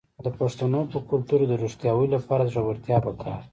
د پښتنو په کلتور کې د ریښتیا ویلو لپاره زړورتیا پکار ده.